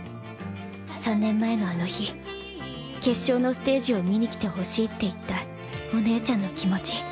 ３年前のあの日決勝のステージを見に来てほしいって言ったお姉ちゃんの気持ち